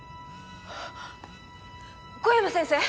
小山先生？